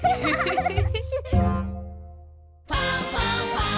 「ファンファンファン」